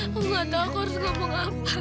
aku nggak tahu aku harus ngomong apa